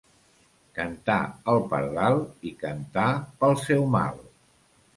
Cantà el pardal i cantà pel seu mal.